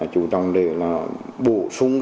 chủ trọng để bổ sung